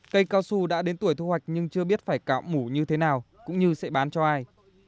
cây cao su đã đến tuổi thu hoạch nhưng chưa biết phải cạo mủ như thế nào cũng như sẽ bán cho ai